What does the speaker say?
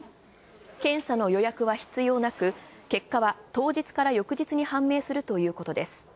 検査の予約は必要なく、結果は当日から翌日に判明するということです。